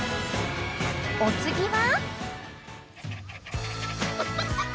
［お次は？］